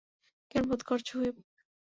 কেমন বোধ করছো, হুইপ?